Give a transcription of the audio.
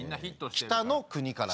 『北の国から』。